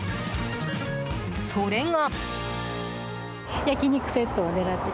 それが。